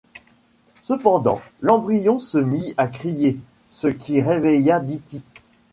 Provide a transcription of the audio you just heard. Cependant, l'embryon se mit à crier, ce qui réveilla Diti.